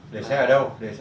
để xe ở đâu